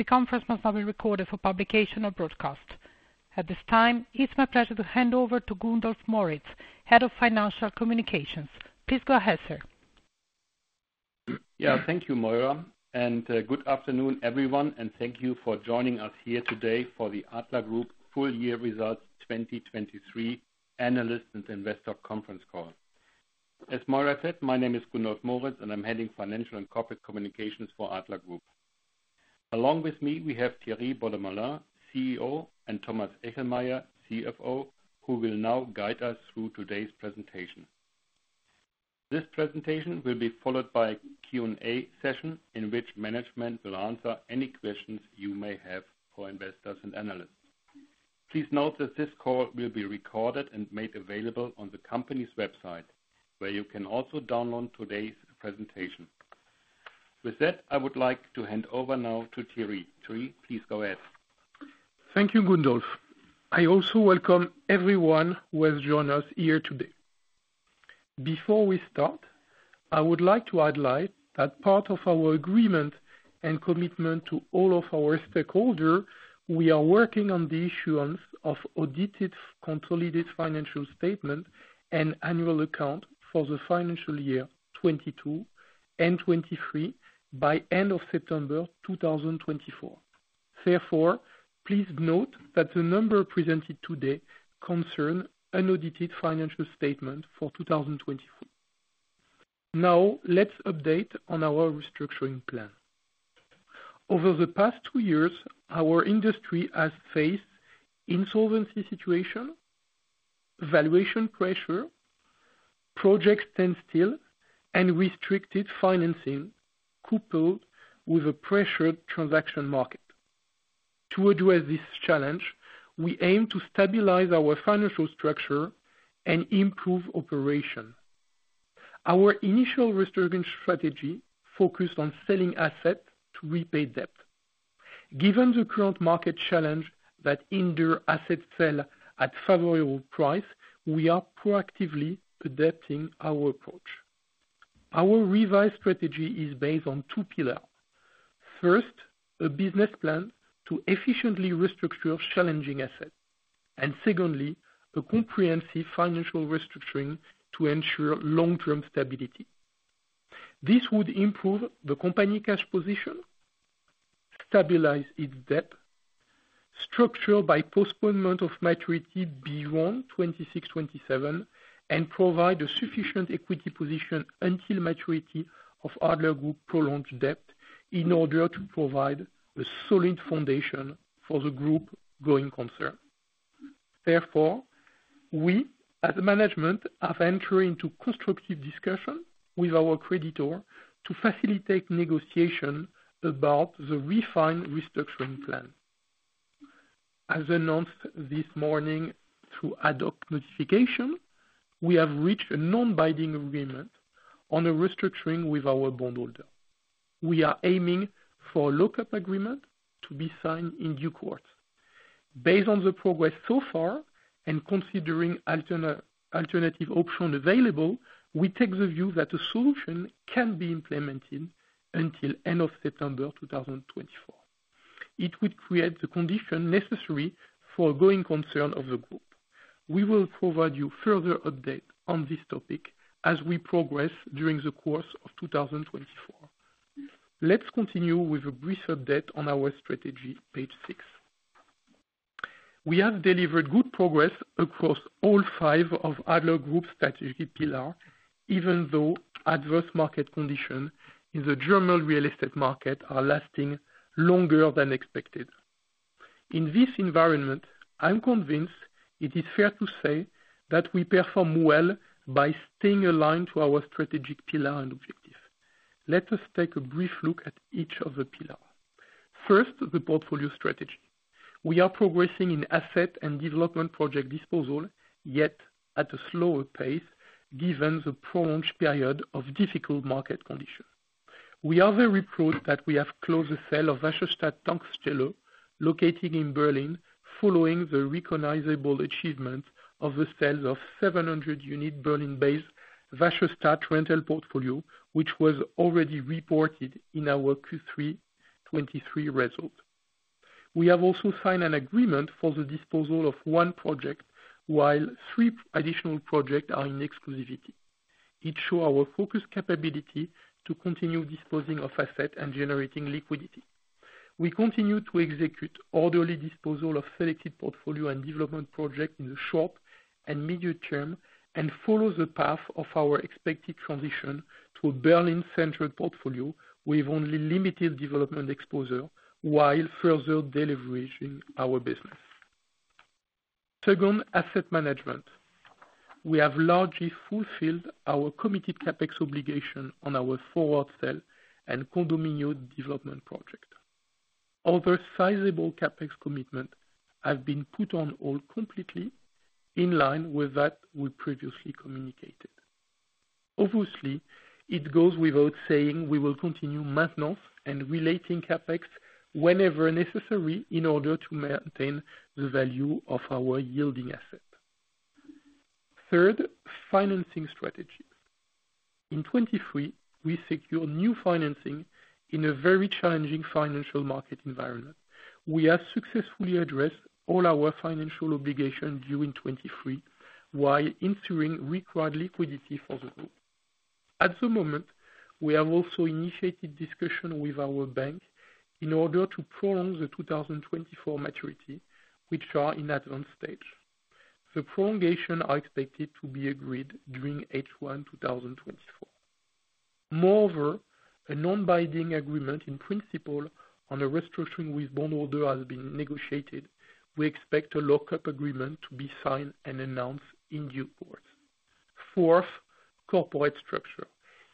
The conference must not be recorded for publication or broadcast. At this time, it's my pleasure to hand over to Gundolf Moritz, Head of Financial Communications. Please go ahead, sir. Yeah, thank you, Moira, and good afternoon, everyone, and thank you for joining us here today for the Adler Group full year results 2023 analysts and investor conference call. As Moira said, my name is Gundolf Moritz, and I'm heading Financial and Corporate Communications for Adler Group. Along with me, we have Thierry Beaudemoulin, CEO, and Thomas Echelmeyer, CFO, who will now guide us through today's presentation. This presentation will be followed by a Q&A session, in which management will answer any questions you may have for investors and analysts. Please note that this call will be recorded and made available on the company's website, where you can also download today's presentation. With that, I would like to hand over now to Thierry. Thierry, please go ahead. Thank you, Gundolf. I also welcome everyone who has joined us here today. Before we start, I would like to highlight that part of our agreement and commitment to all of our stakeholders, we are working on the issuance of audited, consolidated financial statements and annual accounts for the financial year 2022 and 2023 by end of September 2024. Therefore, please note that the numbers presented today concerns unaudited financial statements for 2024. Now, let's update on our restructuring plan. Over the past two years, our industry has faced insolvency situations, valuation pressure, project standstill, and restricted financing, coupled with a pressured transaction market. To address this challenge, we aim to stabilize our financial structure and improve operations. Our initial restructuring strategy focused on selling assets to repay debt. Given the current market challenges that hinder asset sales at favorable prices, we are proactively adapting our approach. Our revised strategy is based on two pillars. First, a business plan to efficiently restructure challenging assets, and secondly, a comprehensive financial restructuring to ensure long-term stability. This would improve the company's cash position, stabilize its debt structure by postponement of maturity beyond 2026, 2027, and provide a sufficient equity position until maturity of Adler Group's prolonged debt, in order to provide a solid foundation for the group's going concern. Therefore, we, as management, have entered into constructive discussions with our creditors to facilitate negotiations about the refined restructuring plan. As announced this morning through ad hoc notification, we have reached a non-binding agreement on the restructuring with our bondholders. We are aiming for a lock-up agreement to be signed in due course. Based on the progress so far and considering alternative option available, we take the view that a solution can be implemented until end of September 2024. It would create the condition necessary for going concern of the group. We will provide you further update on this topic as we progress during the course of 2024. Let's continue with a brief update on our strategy, page six. We have delivered good progress across all five of Adler Group strategic pillar, even though adverse market conditions in the German real estate market are lasting longer than expected. In this environment, I'm convinced it is fair to say that we perform well by staying aligned to our strategic pillar and objective. Let us take a brief look at each of the pillar. First, the portfolio strategy. We are progressing in asset and development project disposal, yet at a slower pace, given the prolonged period of difficult market conditions. We are very proud that we have closed the sale of Wasserstadt Mitte Tankstelle, located in Berlin, following the recognizable achievement of the sales of 700-unit Berlin-based Wasserstadt Mitte rental portfolio, which was already reported in our Q3 2023 result. We have also signed an agreement for the disposal of one project, while three additional projects are in exclusivity. It shows our focus capability to continue disposing of assets and generating liquidity. We continue to execute orderly disposal of selected portfolio and development project in the short and medium term, and follow the path of our expected transition to a Berlin-centric portfolio with only limited development exposure, while further deleveraging our business. Second, asset management. We have largely fulfilled our committed CapEx obligation on our forward sale and condominium development project. Other sizable CapEx commitment have been put on hold completely in line with that we previously communicated. Obviously, it goes without saying, we will continue maintenance and relating CapEx whenever necessary in order to maintain the value of our yielding asset. Third, financing strategy. In 2023, we secured new financing in a very challenging financial market environment. We have successfully addressed all our financial obligations due in 2023, while ensuring required liquidity for the group. At the moment, we have also initiated discussion with our bank in order to prolong the 2024 maturity, which are in advanced stage. The prolongation are expected to be agreed during H1 2024. Moreover, a non-binding agreement in principle on a restructuring with bondholder has been negotiated. We expect a lock-up agreement to be signed and announced in due course. Fourth, corporate structure.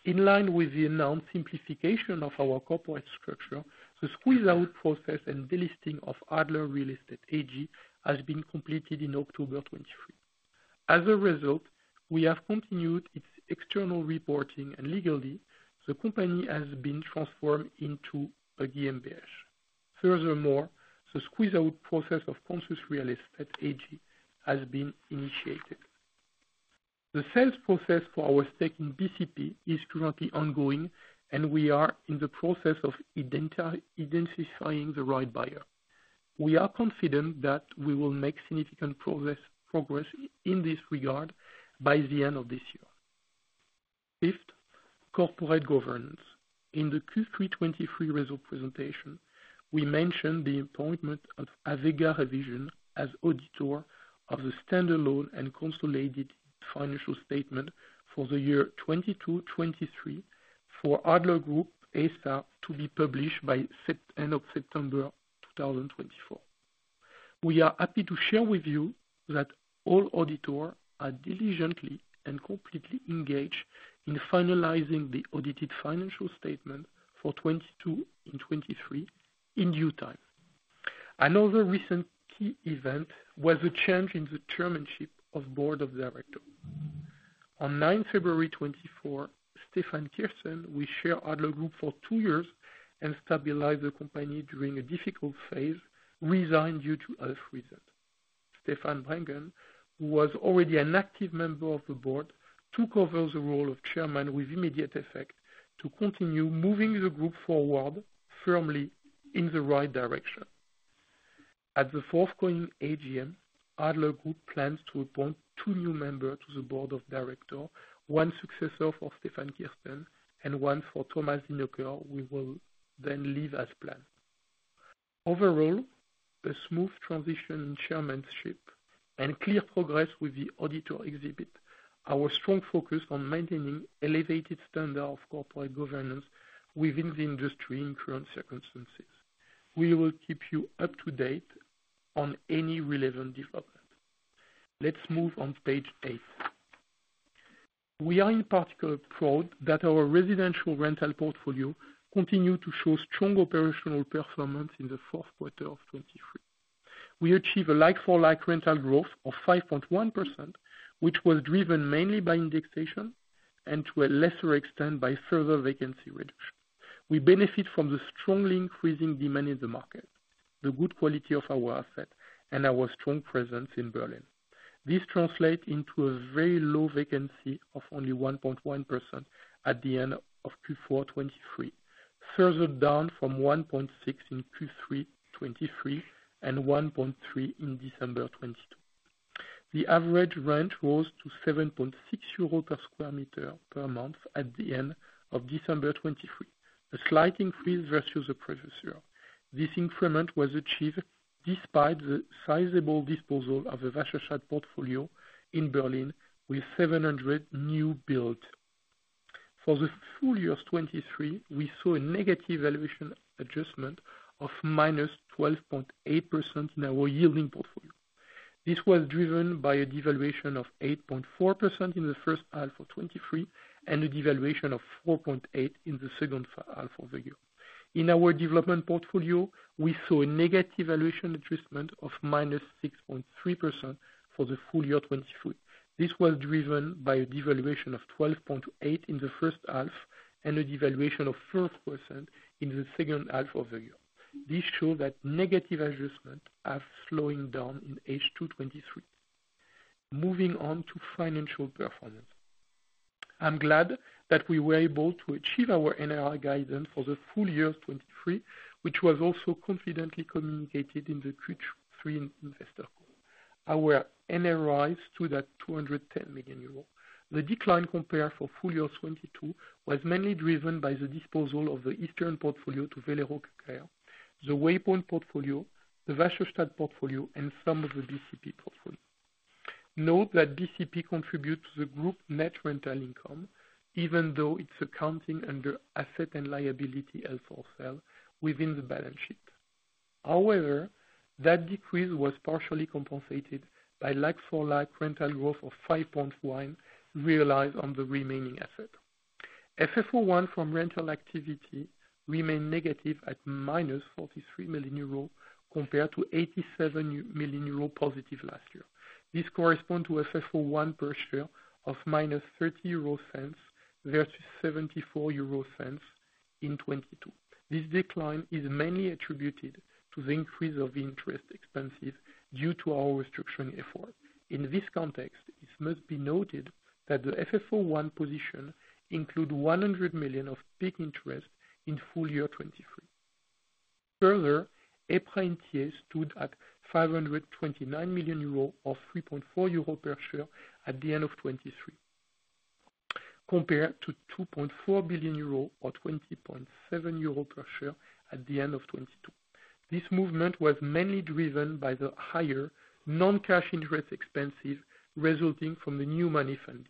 In line with the announced simplification of our corporate structure, the squeeze-out process and delisting of ADLER Real Estate AG has been completed in October 2023. As a result, we have continued its external reporting, and legally, the company has been transformed into a GmbH. Furthermore, the squeeze-out process of Consus Real Estate AG has been initiated. The sales process for our stake in BCP is currently ongoing, and we are in the process of identifying the right buyer. We are confident that we will make significant progress in this regard by the end of this year. Fifth, corporate governance. In the Q3 2023 result presentation, we mentioned the appointment of AVEGA Revision as auditor of the standalone and consolidated financial statements for the years 2022, 2023, for Adler Group S.A., to be published by end of September 2024. We are happy to share with you that all auditors are diligently and completely engaged in finalizing the audited financial statements for 2022 and 2023 in due time. Another recent key event was a change in the chairmanship of the Board of Directors. On 9 February 2024, Stefan Kirsten, who chaired Adler Group for two years and stabilized the company during a difficult phase, resigned due to health reasons. Stefan Brendgen, who was already an active member of the board, took over the role of chairman with immediate effect, to continue moving the group forward firmly in the right direction. At the forthcoming AGM, Adler Group plans to appoint two new members to the board of directors, one successor for Stefan Kirsten and one for Thomas Zinnöcker, who will then leave as planned. Overall, the smooth transition in chairmanship and clear progress with the auditor exhibits our strong focus on maintaining elevated standard of corporate governance within the industry in current circumstances. We will keep you up to date on any relevant development. Let's move on to page 8. We are in particular proud that our residential rental portfolio continued to show strong operational performance in the fourth quarter of 2023. We achieved a like-for-like rental growth of 5.1%, which was driven mainly by indexation, and to a lesser extent, by further vacancy reduction. We benefit from the strongly increasing demand in the market, the good quality of our asset, and our strong presence in Berlin. This translates into a very low vacancy of only 1.1% at the end of Q4 2023, further down from 1.6 in Q3 2023, and 1.3 in December 2022. The average rent rose to 7.6 euros per square meter per month at the end of December 2023, a slight increase versus the previous year. This increment was achieved despite the sizable disposal of the Wasserstadt Mitte portfolio in Berlin, with 700 new builds. For the full year of 2023, we saw a negative valuation adjustment of -12.8% in our yielding portfolio. This was driven by a devaluation of 8.4% in the first half of 2023, and a devaluation of 4.8 in the second half of the year. In our development portfolio, we saw a negative valuation adjustment of -6.3% for the full year 2023. This was driven by a devaluation of 12.8% in the first half, and a devaluation of 4% in the second half of the year. This shows that negative adjustments are slowing down in H2 2023. Moving on to financial performance. I'm glad that we were able to achieve our NRI guidance for the full year of 2023, which was also confidently communicated in the Q3 investor call. Our NRI was 210 million euros. The decline compared to the full year of 2022 was mainly driven by the disposal of the eastern portfolio to Velero Partners, the Waypoint portfolio, the Wasserstadt Mitte portfolio, and some of the BCP portfolio. Note that BCP contributes to the group's net rental income, even though it's accounting under asset and liability, held for sale within the balance sheet. However, that decrease was partially compensated by like-for-like rental growth of 5.1, realized on the remaining asset. FFO 1 from rental activity remained negative at -43 million euro, compared to 87 million euro positive last year. This correspond to FFO one per share of -0.30, versus 0.74 in 2022. This decline is mainly attributed to the increase of interest expenses due to our restructuring effort. In this context, it must be noted that the FFO one position include 100 million of PIK interest in full year 2023. Further, EPRA NRV stood at 529 million euro, or 3.4 euro per share at the end of 2023, compared to 2.4 billion euro or 20.7 euro per share at the end of 2022. This movement was mainly driven by the higher non-cash interest expenses resulting from the new money funding,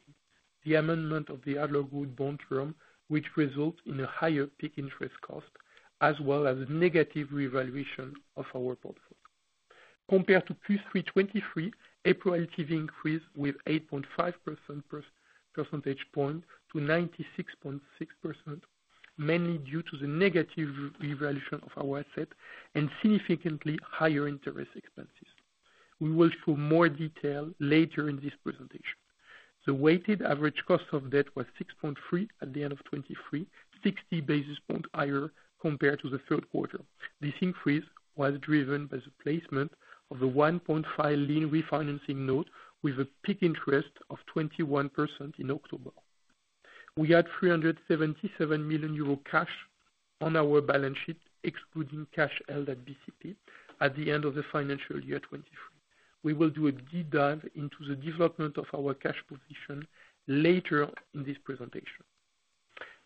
the amendment of the Adler Group bond term, which results in a higher PIK interest cost, as well as negative revaluation of our portfolio. Compared to Q3 2023, EPRA LTV increased with 8.5% per percentage point to 96.6%, mainly due to the negative revaluation of our asset and significantly higher interest expenses. We will show more detail later in this presentation. The weighted average cost of debt was 6.3 at the end of 2023, 60 basis points higher compared to the third quarter. This increase was driven by the placement of the 1.5 Lien refinancing note, with a PIK interest of 21% in October. We had 377 million euro cash on our balance sheet, excluding cash held at BCP at the end of the financial year, 2023. We will do a deep dive into the development of our cash position later in this presentation.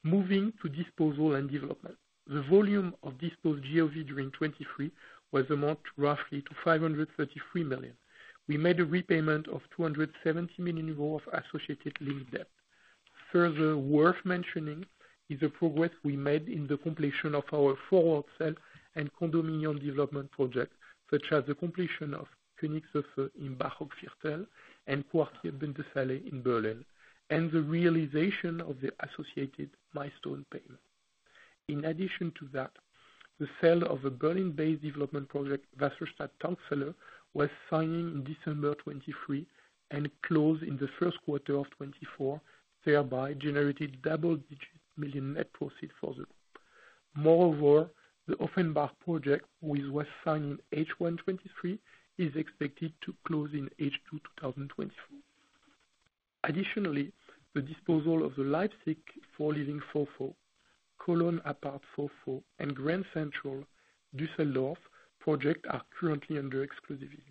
Moving to disposal and development. The volume of disposed GAV during 2023 was amount roughly to 533 million. We made a repayment of 270 million euro of associated Lien debt. Further worth mentioning, is the progress we made in the completion of our forward sale and condominium development project, such as the completion of Königsufer in Barockviertel and Quartier Bundesallee in Berlin, and the realization of the associated milestone payment. In addition to that, the sale of a Berlin-based development project, Wasserstadt Teltow, was signed in December 2023 and closed in the first quarter of 2024, thereby generated EUR double-digit million net proceeds for the group. Moreover, the Offenbach project, which was signed in H1 2023, is expected to close in H2 2024. Additionally, the disposal of the Leipzig FourLiving, Cologne Apart, and Grand Central Düsseldorf projects are currently under exclusivity.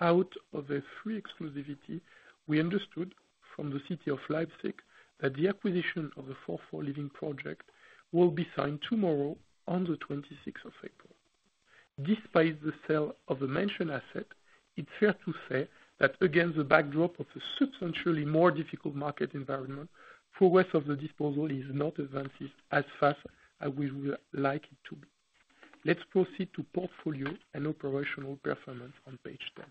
Out of the three exclusivity, we understood from the city of Leipzig that the acquisition of the FourLiving project will be signed tomorrow on the 26th of April. Despite the sale of the mentioned asset, it's fair to say that against the backdrop of a substantially more difficult market environment, progress of the disposal is not advancing as fast as we would like it to be. Let's proceed to portfolio and operational performance on page 10.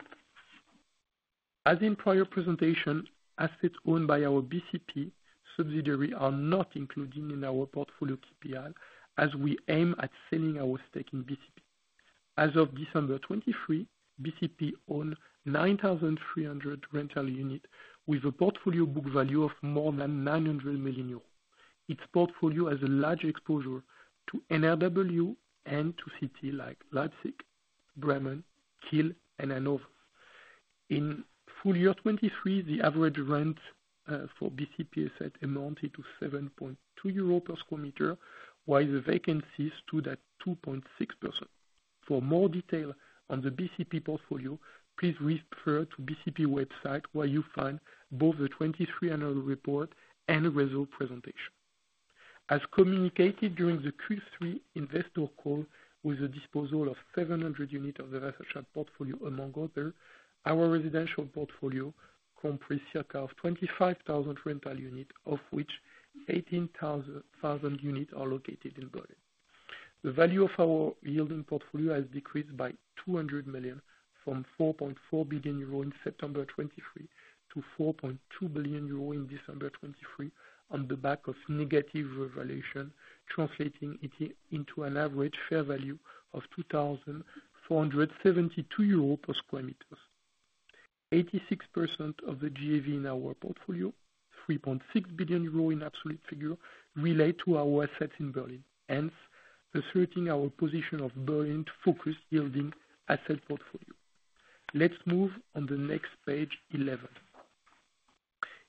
As in prior presentation, assets owned by our BCP subsidiary are not included in our portfolio KPI, as we aim at selling our stake in BCP. As of December 2023, BCP owned 9,300 rental units, with a portfolio book value of more than 900 million euros. Its portfolio has a large exposure to NRW and to cities like Leipzig, Bremen, Kiel, and Hannover. In full year 2023, the average rent for BCP asset amounted to 7.2 euro per sq m, while the vacancies stood at 2.6%. For more detail on the BCP portfolio, please refer to BCP website, where you find both the 2023 annual report and the result presentation. As communicated during the Q3 investor call, with the disposal of 700 units of the residential portfolio, among others, our residential portfolio comprise circa of 25,000 rental units, of which 18,000 units are located in Berlin. The value of our yielding portfolio has decreased by 200 million, from 4.4 billion euro in September 2023, to 4.2 billion euro in December 2023, on the back of negative revaluation, translating it into an average fair value of 2,472 euro per sq m. 86% of the GAV in our portfolio, 3.6 billion euro in absolute figure, relate to our assets in Berlin, hence asserting our position of Berlin-focused yielding asset portfolio. Let's move on the next page, 11.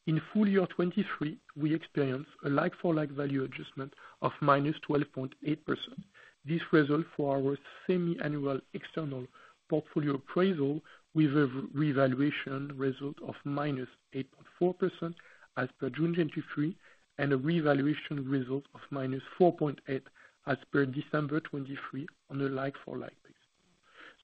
In full year 2023, we experienced a like-for-like value adjustment of -12.8%. This result for our semi-annual external portfolio appraisal with a revaluation result of -8.4% as per June 2023, and a revaluation result of -4.8% as per December 2023 on a like-for-like basis.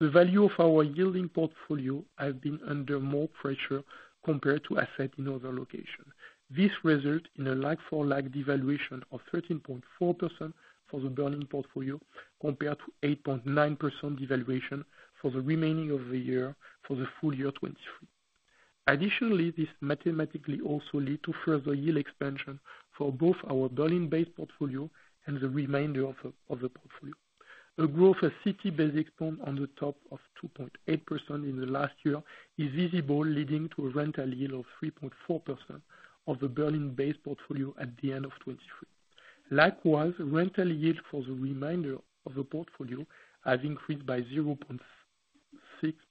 The value of our yielding portfolio has been under more pressure compared to assets in other locations. This result in a like-for-like devaluation of 13.4% for the Berlin portfolio, compared to 8.9% devaluation for the remaining of the year, for the full year 2023. Additionally, this mathematically also led to further yield expansion for both our Berlin-based portfolio and the remainder of, of the portfolio. The growth of 60 basis points on the top of 2.8% in the last year is visible, leading to a rental yield of 3.4% of the Berlin-based portfolio at the end of 2023. Likewise, rental yield for the remainder of the portfolio has increased by 0.6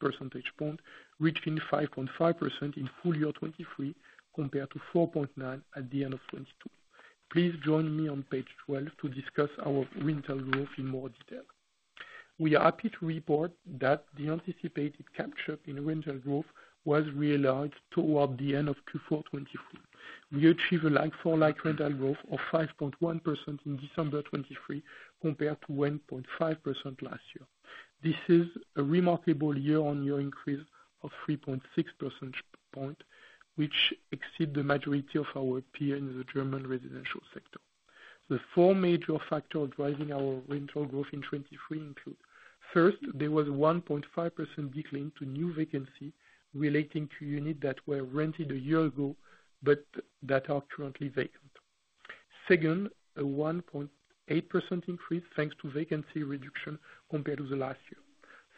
percentage points, reaching 5.5% in full year 2023, compared to 4.9 at the end of 2022. Please join me on page 12 to discuss our rental growth in more detail. We are happy to report that the anticipated capture in rental growth was realized toward the end of Q4 2023. We achieved a like-for-like rental growth of 5.1% in December 2023, compared to 1.5% last year. This is a remarkable year-on-year increase of 3.6 percentage point, which exceed the majority of our peers in the German residential sector. The four major factors driving our rental growth in 2023 include: First, there was 1.5% decline to new vacancy relating to units that were rented a year ago, but that are currently vacant. Second, a 1.8% increase, thanks to vacancy reduction compared to the last year.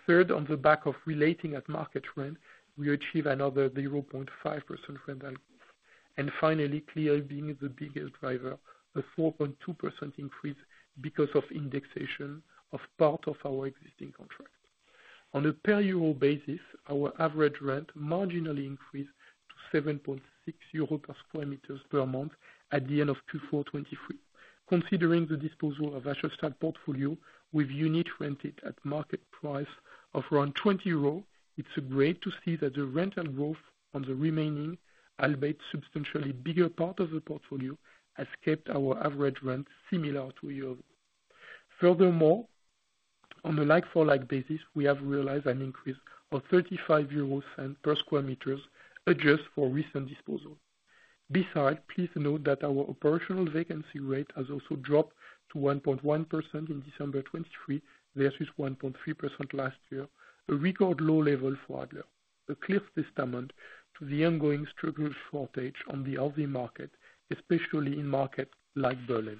Third, on the back of relating at market trend, we achieved another 0.5% rental. And finally, clearly being the biggest driver, a 4.2% increase because of indexation of part of our existing contract. On a per euro basis, our average rent marginally increased to 7.6 euros per square meters per month at the end of Q4 2023. Considering the disposal of Wasserstadt portfolio with units rented at market price of around 20 euro, it's great to see that the rental growth on the remaining, albeit substantially bigger part of the portfolio, has kept our average rent similar to a year ago. Furthermore, on a like-for-like basis, we have realized an increase of 0.35 euros per square meters, adjusted for recent disposal. Besides, please note that our operational vacancy rate has also dropped to 1.1% in December 2023, versus 1.3% last year, a record low level for Adler. A clear testament to the ongoing supply shortage on the rental market, especially in markets like Berlin.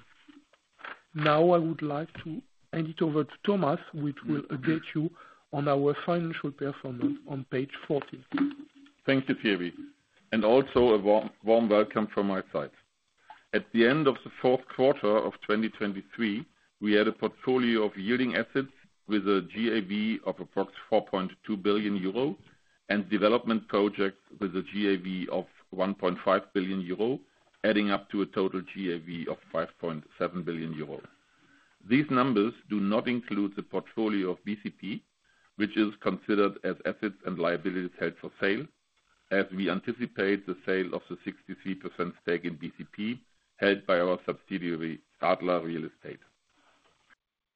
Now, I would like to hand it over to Thomas, which will update you on our financial performance on page 14. Thank you, Pierre, and also a very warm welcome from my side. At the end of the fourth quarter of 2023, we had a portfolio of yielding assets with a GAV of approx 4.2 billion euro and development project with a GAV of 1.5 billion euro, adding up to a total GAV of 5.7 billion euro. These numbers do not include the portfolio of BCP, which is considered as assets and liabilities held for sale, as we anticipate the sale of the 63% stake in BCP, held by our subsidiary, Adler Real Estate.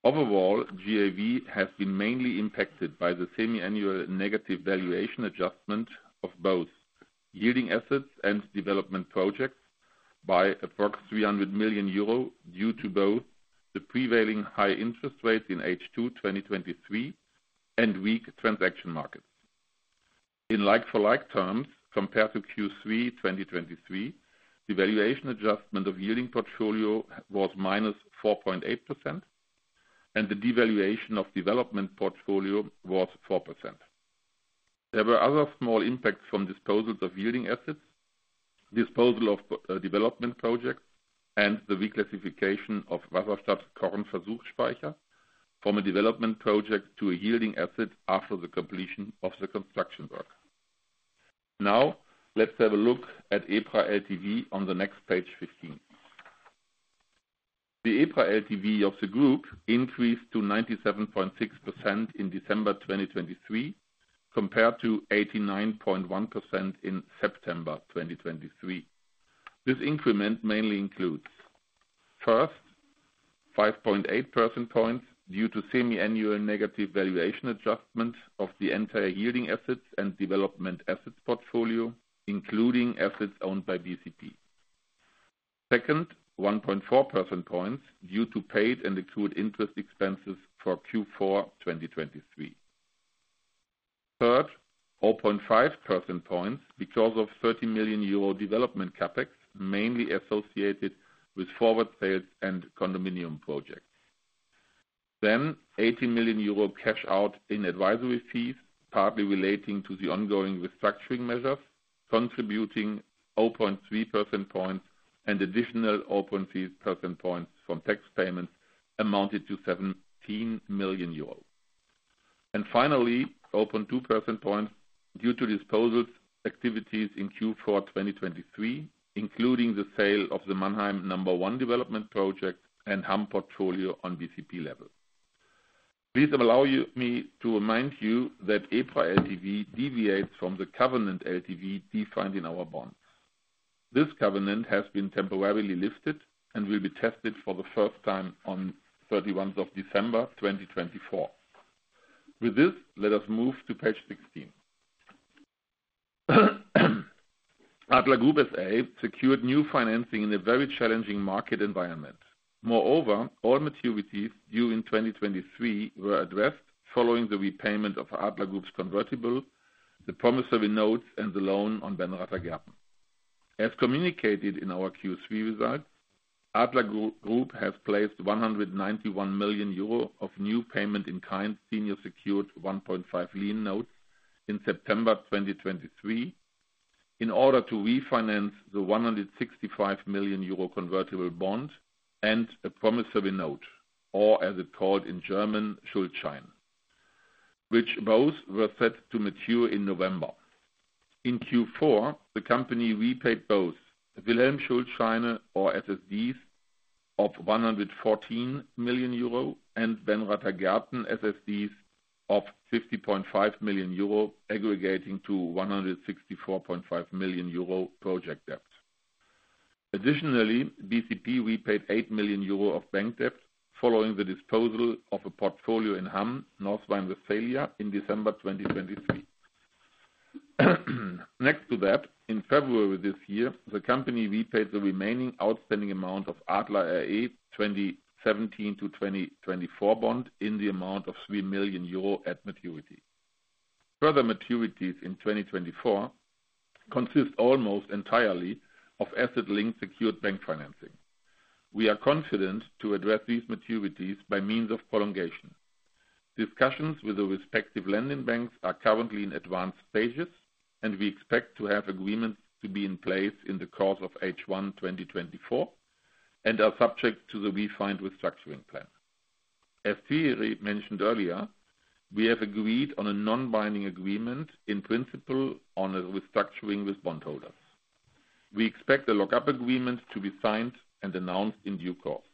Overall, GAV has been mainly impacted by the semi-annual negative valuation adjustment of both yielding assets and development projects by approx 300 million euro, due to both the prevailing high interest rates in H2 2023, and weak transaction markets. In like-for-like terms, compared to Q3 2023, the valuation adjustment of yielding portfolio was -4.8%, and the devaluation of development portfolio was 4%. There were other small impacts from disposals of yielding assets, disposal of development projects, and the reclassification of Wasserstadt Kornversuchsspeicher from a development project to a yielding asset after the completion of the construction work. Now, let's have a look at EPRA LTV on the next page 15. The EPRA LTV of the group increased to 97.6% in December 2023, compared to 89.1% in September 2023. This increment mainly includes: First, 5.8 percentage points due to semi-annual negative valuation adjustment of the entire yielding assets and development assets portfolio, including assets owned by BCP. Second, 1.4 percentage points due to paid and accrued interest expenses for Q4 2023. Third, 4.5 percentage points because of 30 million euro development CapEx, mainly associated with forward sales and condominium projects. Then, 80 million euro cash out in advisory fees, partly relating to the ongoing restructuring measures, contributing 0.3 percentage points and additional 0.3 percentage points from tax payments amounted to 17 million euros. And finally, 0.2 percentage points due to disposal activities in Q4 2023, including the sale of the Mannheim No. 1 development project and whole portfolio on BCP level. Please allow me to remind you that EPRA LTV deviates from the covenant LTV defined in our bonds. This covenant has been temporarily lifted and will be tested for the first time on December 31, 2024. With this, let us move to page 16. Adler Group S.A. secured new financing in a very challenging market environment. Moreover, all maturities due in 2023 were addressed following the repayment of Adler Group's convertible, the promissory notes, and the loan on Benrather Gärten.... As communicated in our Q3 results, Adler Group Group have placed 191 million euro of new payment-in-kind senior secured 1.5 Lien Notes in September 2023, in order to refinance the 165 million euro convertible bond and a promissory note, or as it's called in German, Schuldschein, which both were set to mature in November. In Q4, the company repaid both Wilhelm Schuldscheine or SSDs of 114 million euro and Benrather Gärten SSDs of 50.5 million euro, aggregating to 164.5 million euro project debt. Additionally, BCP repaid 8 million euro of bank debt following the disposal of a portfolio in Hamm, North Rhine-Westphalia, in December 2023. Next to that, in February this year, the company repaid the remaining outstanding amount of Adler RE 2017 to 2024 bond in the amount of 3 million euro at maturity. Further maturities in 2024 consist almost entirely of asset-linked secured bank financing. We are confident to address these maturities by means of prolongation. Discussions with the respective lending banks are currently in advanced stages, and we expect to have agreements to be in place in the course of H1 2024 and are subject to the refined restructuring plan. As Thierry mentioned earlier, we have agreed on a non-binding agreement in principle on a restructuring with bondholders. We expect the lock-up agreement to be signed and announced in due course.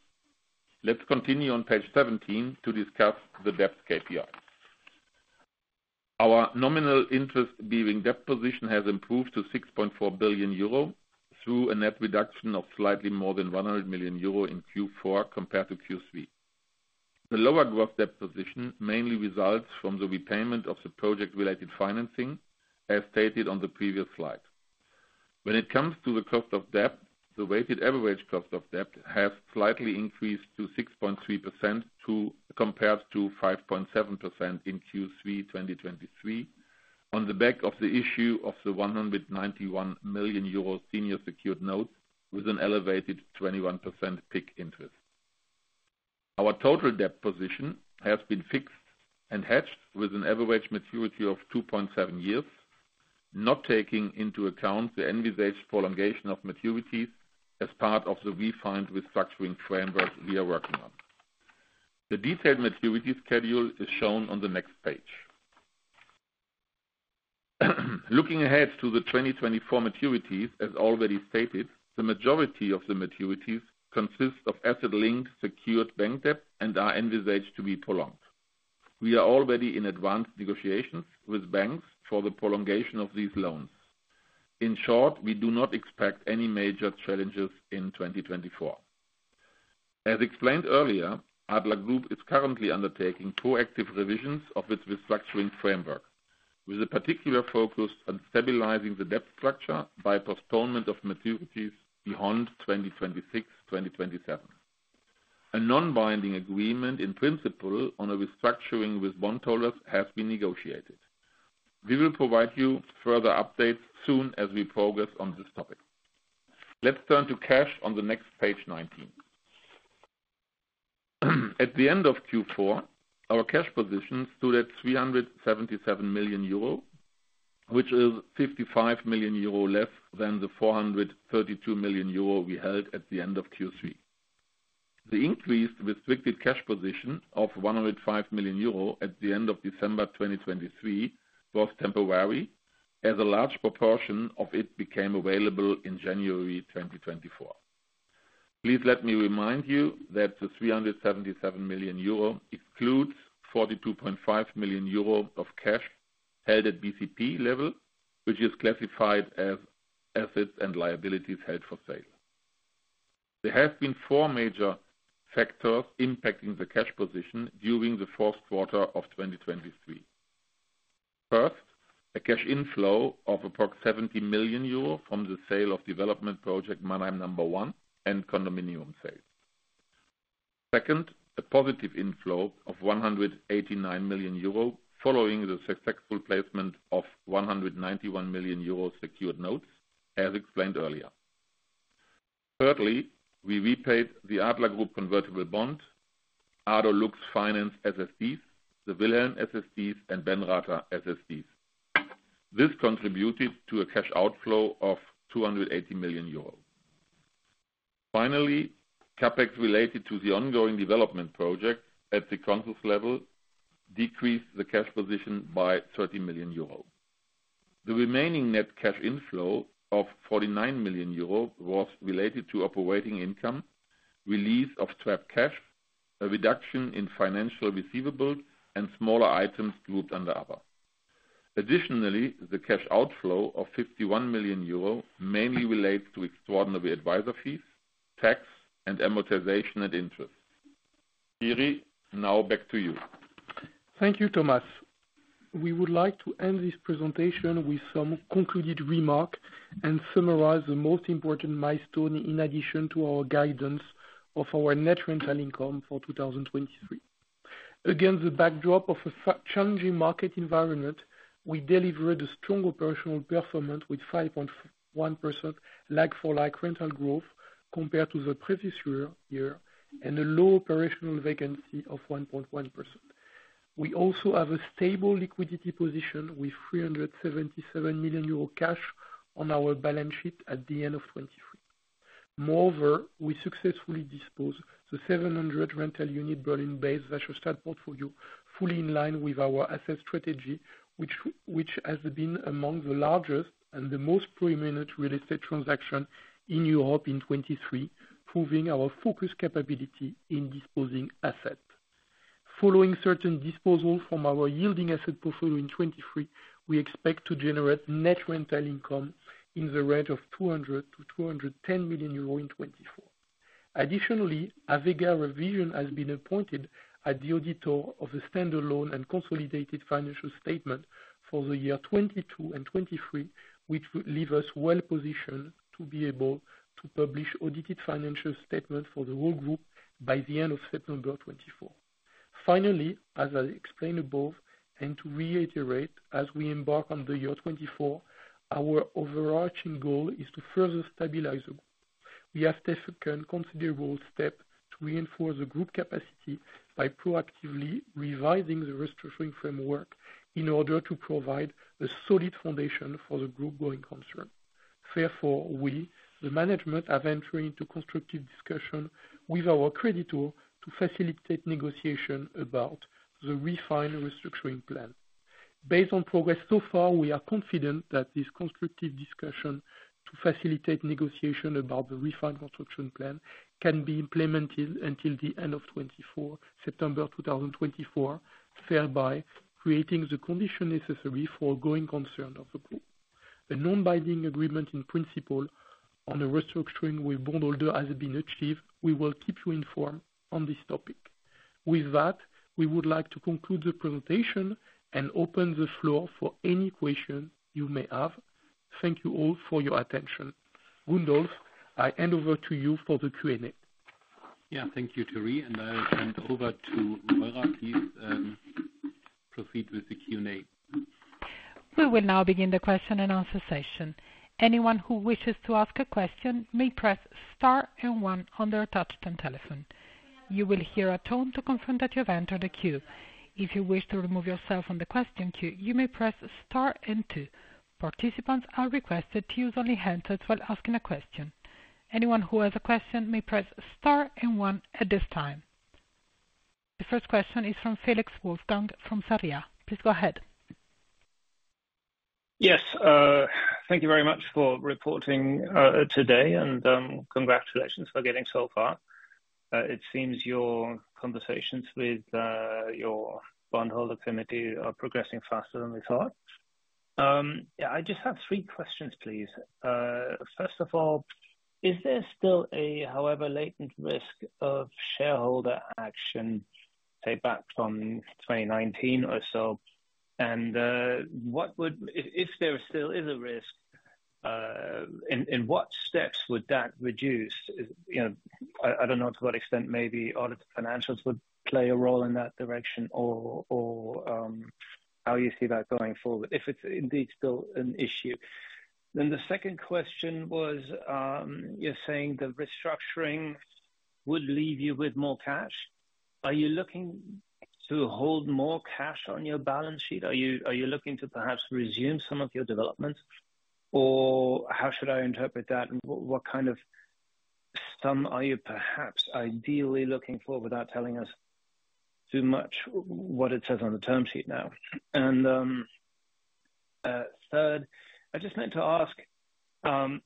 Let's continue on page 17 to discuss the debt KPI. Our nominal interest bearing debt position has improved to 6.4 billion euro, through a net reduction of slightly more than 100 million euro in Q4 compared to Q3. The lower gross debt position mainly results from the repayment of the project-related financing, as stated on the previous slide. When it comes to the cost of debt, the weighted average cost of debt has slightly increased to 6.3%, compared to 5.7% in Q3 2023, on the back of the issue of the 191 million euro senior secured note with an elevated 21% PIK interest. Our total debt position has been fixed and hedged with an average maturity of two point seven years, not taking into account the envisaged prolongation of maturities as part of the refined restructuring framework we are working on. The detailed maturity schedule is shown on the next page. Looking ahead to the 2024 maturities, as already stated, the majority of the maturities consist of asset-linked secured bank debt and are envisaged to be prolonged. We are already in advanced negotiations with banks for the prolongation of these loans. In short, we do not expect any major challenges in 2024. As explained earlier, Adler Group is currently undertaking proactive revisions of its restructuring framework, with a particular focus on stabilizing the debt structure by postponement of maturities beyond 2026, 2027. A non-binding agreement in principle on a restructuring with bondholders has been negotiated. We will provide you further updates soon as we progress on this topic. Let's turn to cash on the next page, 19. At the end of Q4, our cash position stood at 377 million euro, which is 55 million euro less than the 432 million euro we held at the end of Q3. The increased restricted cash position of 105 million euro at the end of December 2023 was temporary, as a large proportion of it became available in January 2024. Please let me remind you that the 377 million euro excludes 42.5 million euro of cash held at BCP level, which is classified as assets and liabilities held for sale. There have been four major factors impacting the cash position during the fourth quarter of 2023. First, a cash inflow of approx 70 million euro from the sale of development project Mannheim No. 1 and condominium sales. Second, a positive inflow of 189 million euro following the successful placement of 191 million euro secured notes, as explained earlier. Thirdly, we repaid the Adler Group convertible bond, Adler Lux Finance SSDs, the Wilhelm SSDs, and Benrather SSDs. This contributed to a cash outflow of 280 million euros. Finally, CapEx related to the ongoing development project at the Consus level decreased the cash position by 30 million euro. The remaining net cash inflow of 49 million euro was related to operating income, release of trapped cash, a reduction in financial receivables, and smaller items grouped under other. Additionally, the cash outflow of 51 million euro mainly relates to extraordinary advisor fees, tax, and amortization and interest. Thierry, now back to you. Thank you, Thomas. We would like to end this presentation with some concluded remark and summarize the most important milestone in addition to our guidance of our net rental income for 2023. Against the backdrop of a challenging market environment, we delivered a strong operational performance with 5.1% like-for-like rental growth compared to the previous year, and a low operational vacancy of 1.1%. We also have a stable liquidity position with 377 million euro cash on our balance sheet at the end of 2023. Moreover, we successfully disposed the 700 rental unit Berlin-based portfolio, fully in line with our asset strategy, which has been among the largest and the most prominent real estate transaction in Europe in 2023, proving our focus capability in disposing assets. Following certain disposal from our yielding asset portfolio in 2023, we expect to generate net rental income in the range of 200 million-210 million euro in 2024. Additionally, AVEGA Revision has been appointed as the auditor of the standalone and consolidated financial statement for the year 2022 and 2023, which would leave us well positioned to be able to publish audited financial statements for the whole group by the end of September 2024. Finally, as I explained above, and to reiterate, as we embark on the year 2024, our overarching goal is to further stabilize the group. We have taken considerable steps to reinforce the group capacity by proactively revising the restructuring framework in order to provide a solid foundation for the group going concern. Therefore, we, the management, are entering into constructive discussion with our creditor to facilitate negotiation about the refined restructuring plan. Based on progress so far, we are confident that this constructive discussion to facilitate negotiation about the refined restructuring plan can be implemented until the end of 2024, September 2024, thereby creating the condition necessary for going concern of the group. A non-binding agreement in principle on the restructuring with bondholder has been achieved. We will keep you informed on this topic. With that, we would like to conclude the presentation and open the floor for any questions you may have. Thank you all for your attention. Gundolf, I hand over to you for the Q&A. Yeah, thank you, Thierry, and I'll hand over to Laura. Please, proceed with the Q&A. We will now begin the question and answer session. Anyone who wishes to ask a question may press star and one on their touchtone telephone. You will hear a tone to confirm that you've entered the queue. If you wish to remove yourself from the question queue, you may press star and two. Participants are requested to use only the handset while asking a question. Anyone who has a question may press star and one at this time. The first question is from Felix Wolfgang from Sarria. Please go ahead. Yes, thank you very much for reporting today, and congratulations for getting so far. It seems your conversations with your bondholder committee are progressing faster than we thought. Yeah, I just have three questions, please. First of all, is there still a however latent risk of shareholder action, say, back from 2019 or so? And, if there still is a risk, and what steps would that reduce? You know, I don't know to what extent maybe audit financials would play a role in that direction or how you see that going forward, if it's indeed still an issue. Then the second question was, you're saying the restructuring would leave you with more cash. Are you looking to hold more cash on your balance sheet? Are you, are you looking to perhaps resume some of your developments? Or how should I interpret that, and what, what kind of sum are you perhaps ideally looking for without telling us too much, what it says on the term sheet now? And third, I just meant to ask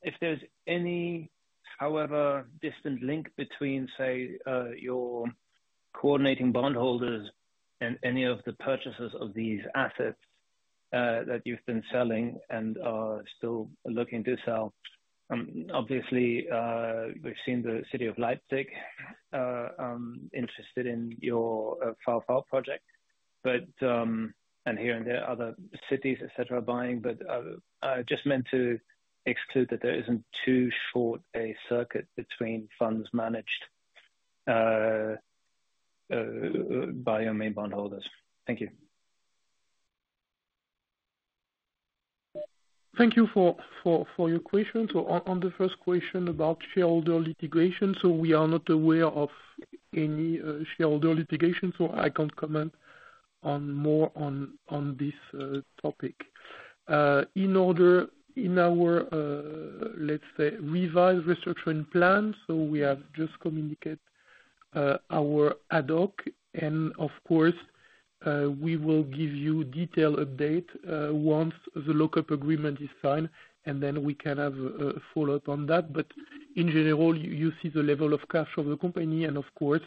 if there's any, however distant, link between, say, your coordinating bondholders and any of the purchasers of these assets that you've been selling and are still looking to sell. Obviously, we've seen the city of Leipzig interested in your FourLiving project, but and here and there, other cities, et cetera, buying. But I just meant to exclude that there isn't too short a circuit between funds managed by your main bondholders. Thank you. Thank you for your questions. So on the first question about shareholder litigation, so we are not aware of any shareholder litigation, so I can't comment on more on this topic. In our, let's say, revised restructuring plan, so we have just communicated our ad hoc, and of course, we will give you detailed update once the lock-up agreement is signed, and then we can have a follow-up on that. But in general, you see the level of cash of the company, and of course,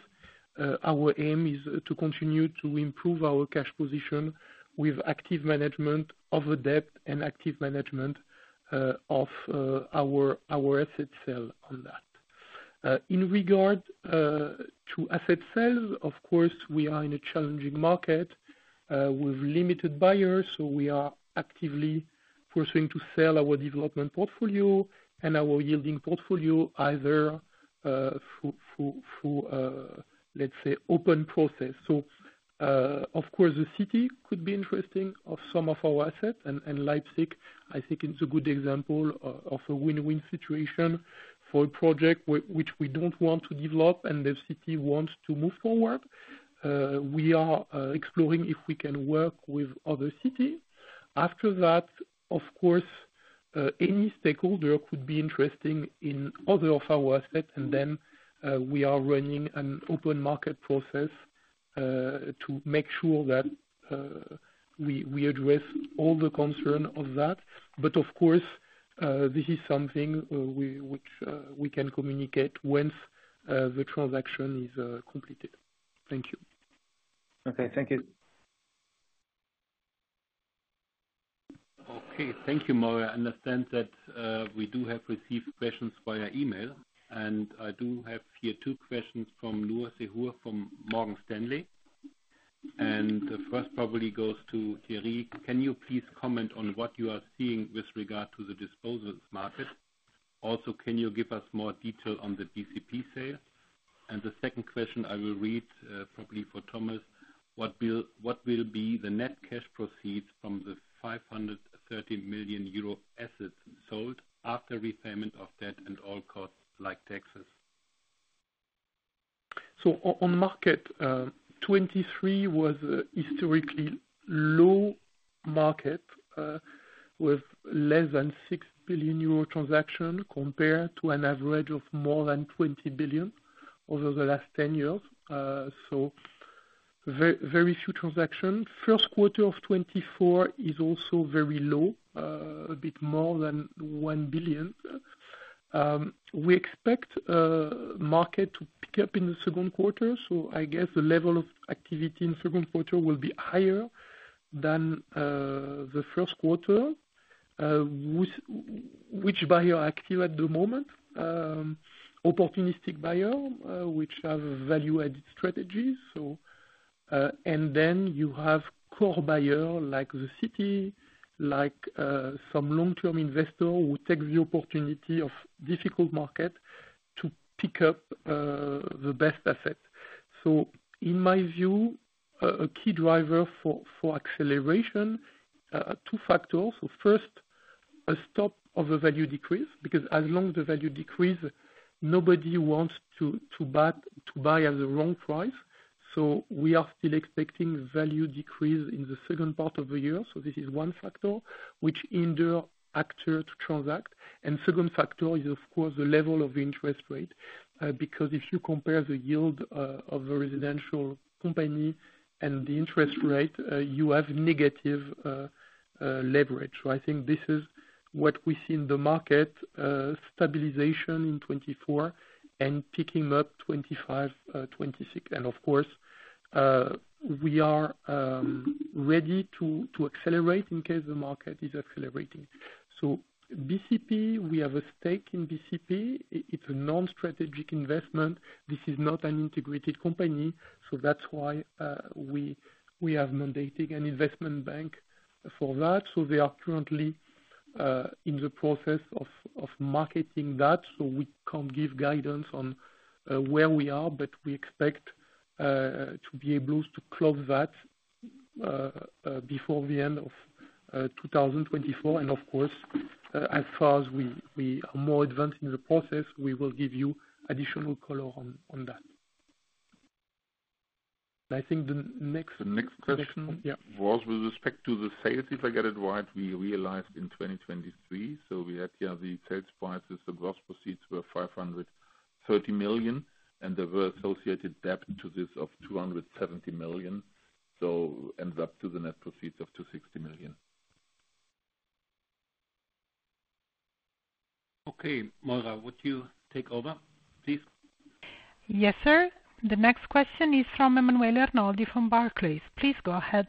our aim is to continue to improve our cash position with active management of the debt and active management of our asset sale on that. In regard to asset sales, of course, we are in a challenging market with limited buyers, so we are actively pushing to sell our development portfolio and our yielding portfolio, either through, let's say, open process. So, of course, the city could be interesting of some of our assets, and Leipzig, I think, is a good example of a win-win situation for a project which we don't want to develop and the city wants to move forward. We are exploring if we can work with other city. After that, of course, any stakeholder could be interesting in other of our assets, and then we are running an open market process to make sure that we address all the concern of that. But of course, this is something which we can communicate once the transaction is completed. Thank you. Okay, thank you. Okay, thank you, Moira. I understand that, we do have received questions via email, and I do have here two questions from Louis Hu from Morgan Stanley. The first probably goes to Thierry. Can you please comment on what you are seeing with regard to the disposals market? Also, can you give us more detail on the BCP sale? The second question I will read, probably for Thomas, what will be the net cash proceeds from the 530 million euro assets sold after repayment of debt and all costs like taxes? So on market, 2023 was historically low market with less than 6 billion euro transaction, compared to an average of more than 20 billion over the last 10 years. So very few transactions. First quarter of 2024 is also very low, a bit more than 1 billion. We expect market to pick up in the second quarter, so I guess the level of activity in second quarter will be higher than the first quarter. Which buyer are active at the moment? Opportunistic buyer, which have value-added strategies. So and then you have core buyer, like the city, like some long-term investor, who take the opportunity of difficult market to pick up the best asset. So in my view, a key driver for acceleration, two factors. So first, a stop of the value decrease, because as long as the value decrease, nobody wants to buy at the wrong price. So we are still expecting value decrease in the second part of the year. So this is one factor which hinders actors to transact. And second factor is, of course, the level of interest rate, because if you compare the yield of the residential company and the interest rate, you have negative leverage. So I think this is what we see in the market, stabilization in 2024 and picking up 2025, 2026. And of course, we are ready to accelerate in case the market is accelerating. So BCP, we have a stake in BCP. It's a non-strategic investment. This is not an integrated company, so that's why we have mandating an investment bank for that. So we are currently in the process of marketing that, so we can't give guidance on where we are, but we expect to be able to close that before the end of 2024. And of course, as far as we are more advanced in the process, we will give you additional color on that. I think the next- The next question- Yeah. With respect to the sales, if I get it right, we realized in 2023, so we had here the sales prices. The gross proceeds were 530 million, and there were associated debt to this of 270 million, so ends up to the net proceeds of 260 million. Okay, Moira, would you take over, please? Yes, sir. The next question is from Emmanuel Arnold from Barclays. Please go ahead.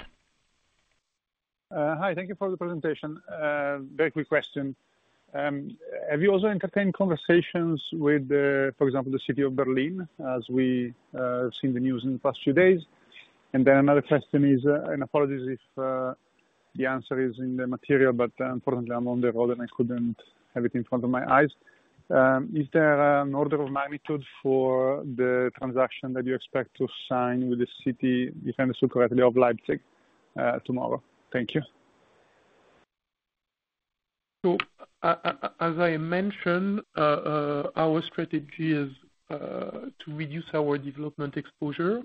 Hi, thank you for the presentation. Very quick question. Have you also entertained conversations with the, for example, the City of Berlin, as we seen the news in the past few days? And then another question is, and apologies if the answer is in the material, but unfortunately I'm on the road, and I couldn't have it in front of my eyes. Is there an order of magnitude for the transaction that you expect to sign with the city, if I understood correctly, of Leipzig, tomorrow? Thank you. So as I mentioned, our strategy is to reduce our development exposure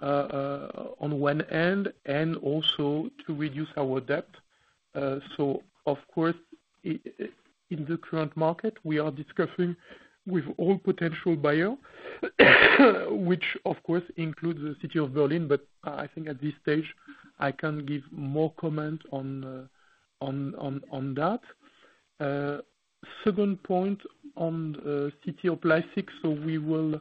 on one end, and also to reduce our debt. So of course, in the current market, we are discussing with all potential buyer, which of course includes the City of Berlin, but I think at this stage I can give more comment on that. Second point on the City of Leipzig, so we will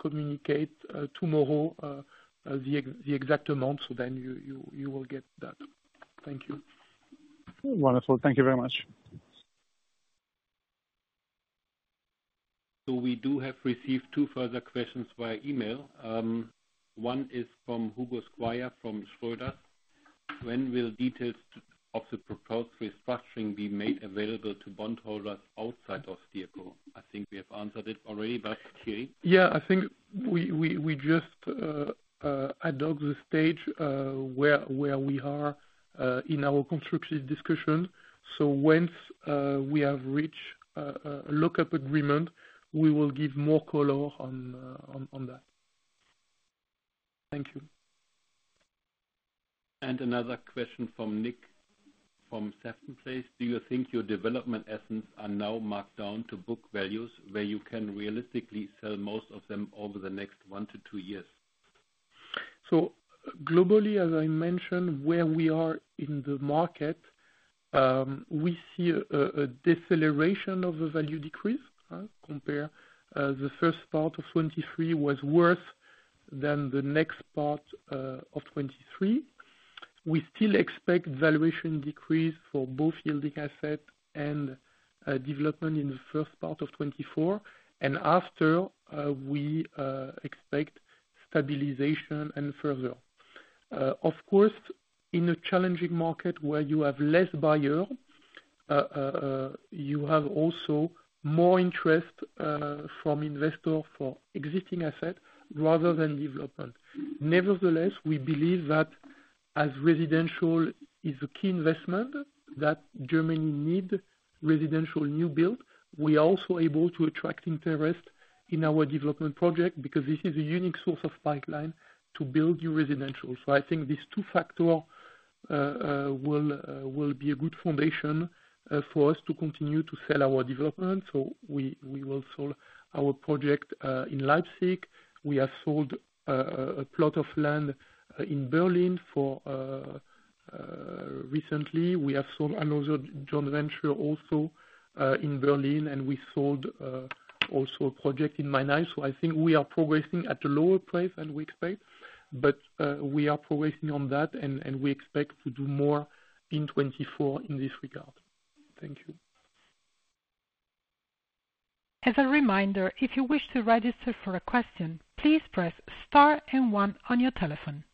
communicate tomorrow the exact amount, so then you will get that. Thank you. Wonderful. Thank you very much.... So we do have received two further questions via email. One is from Hugo Squire, from Schroders. When will details of the proposed restructuring be made available to bondholders outside of vehicle? I think we have answered it already, but Thierry? Yeah, I think we just at the stage where we are in our constructive discussion. So once we have reached a lock-up agreement, we will give more color on that. Thank you. Another question from Nick, from Seventh Place: Do you think your development assets are now marked down to book values, where you can realistically sell most of them over the next one to two years? So globally, as I mentioned, where we are in the market, we see a deceleration of the value decrease, huh? Compare the first part of 2023 was worse than the next part of 2023. We still expect valuation decrease for both yielding asset and development in the first part of 2024. And after, we expect stabilization and further. Of course, in a challenging market where you have less buyer, you have also more interest from investor for existing assets rather than development. Nevertheless, we believe that as residential is a key investment, that Germany need residential new build. We are also able to attract interest in our development project, because this is a unique source of pipeline to build your residential. So I think these two factor will be a good foundation for us to continue to sell our development. So we will sell our project in Leipzig. We have sold a plot of land in Berlin recently. We have sold another joint venture also in Berlin, and we sold also a project in Mannheim. So I think we are progressing at a lower price than we expect, but we are progressing on that, and we expect to do more in 2024 in this regard. Thank you. As a reminder, if you wish to register for a question, please press star and one on your telephone.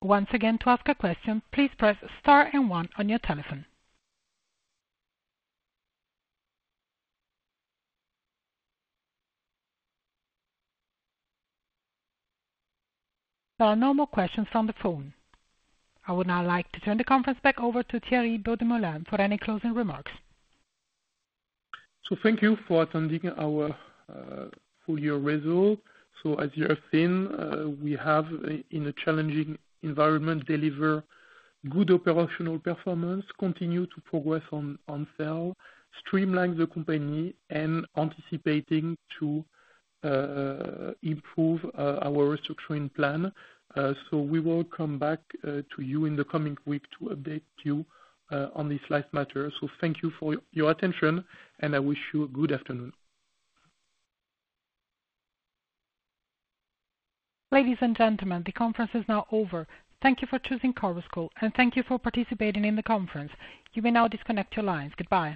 Once again, to ask a question, please press star and one on your telephone. There are no more questions on the phone. I would now like to turn the conference back over to Thierry Beaudemoulin for any closing remarks. So thank you for attending our full year result. So as you have seen, we have, in a challenging environment, deliver good operational performance, continue to progress on, on sale, streamline the company, and anticipating to, improve, our restructuring plan. So we will come back to you in the coming week to update you on this last matter. So thank you for your attention, and I wish you a good afternoon. Ladies and gentlemen, the conference is now over. Thank you for choosing Chorus Call, and thank you for participating in the conference. You may now disconnect your lines. Goodbye.